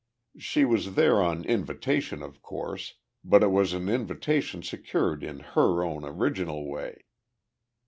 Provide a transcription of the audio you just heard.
She was there on invitation, of course, but it was an invitation secured in her own original way.